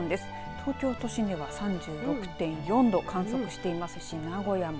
東京都心では３６．４度観測していますし名古屋も